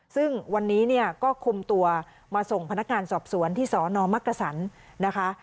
ซึ่งวันนี้เนี่ยก็คุมตัวมาส่งพนักงานสอบสวนที่สนมักกษันนะคะ